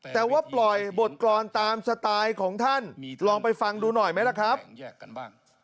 แต่ว่าปล่อยบทกรณ์ตามสไตล์ของท่านลองไปฟังดูหน่อยไหมล่ะครับ